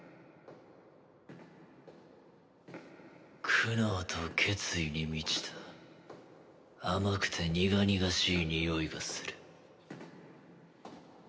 苦悩と決意に満ちた甘くて苦々しいにおいがする。